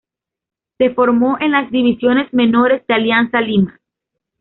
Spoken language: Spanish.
Se Formó en las divisiones menores de Alianza Lima.